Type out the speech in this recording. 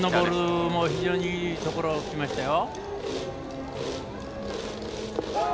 今も非常にいいところにいきましたよ。